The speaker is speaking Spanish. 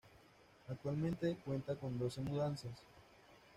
Actualmente cuenta con doce mudanzas.